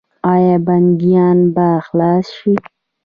آیا بندیان به خلاص شي؟